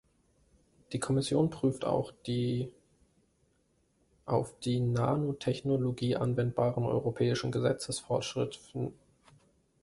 Die Kommission prüft auch die auf die Nanotechnologie anwendbaren europäischen Gesetzesvorschriften.